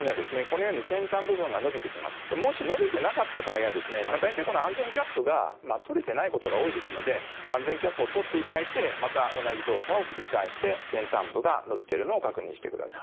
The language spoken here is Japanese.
もし伸びてなかった場合はですね大体この安全キャップが取れてないことが多いですので安全キャップを取っていただいてまた同じ動作を繰り返して先端部が伸びてるのを確認してください。